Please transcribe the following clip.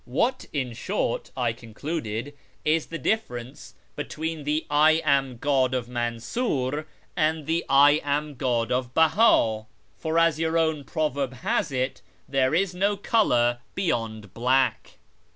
" What, in short," I concluded, " is the difference between the '/ am God ' of Mansur, and the ' I am God ' of Beha ? For, as your own proverb has it, ' There is no colour beyond black.'